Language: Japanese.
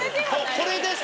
「これですか？」